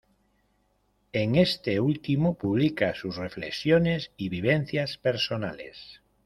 En este último publica sus reflexiones y vivencias personales.